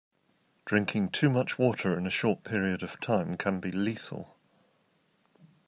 Drinking too much water in a short period of time can be lethal.